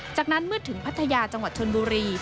จากนั้นเมื่อถึงพัทยาจังหวัดชนบุรี